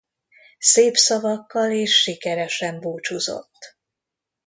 Szép szavakkal és sikeresen búcsúzott.